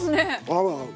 合う合う。